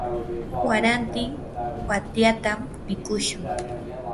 warantin watyatam mikushun.